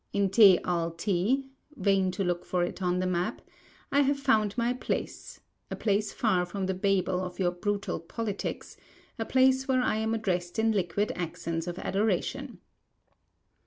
In Te a Iti (vain to look for it on the map!) I have found my place—a place far from the babel of your brutal politics, a place where I am addressed in liquid accents of adoration.